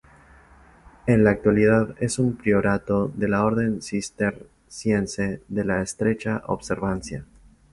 En la actualidad es un priorato de la Orden Cisterciense de la Estrecha Observancia.